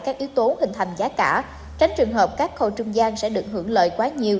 các yếu tố hình thành giá cả tránh trường hợp các khâu trung gian sẽ được hưởng lợi quá nhiều